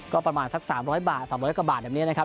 ก็ประมาณสัก๓๐๐บาท๓๐๐กว่าบาทแบบนี้นะครับ